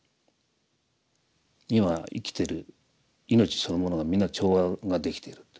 今生きてる命そのものが皆調和ができていると。